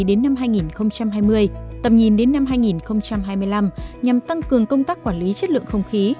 đến năm hai nghìn hai mươi tầm nhìn đến năm hai nghìn hai mươi năm nhằm tăng cường công tác quản lý chất lượng không khí